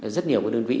rất nhiều đơn vị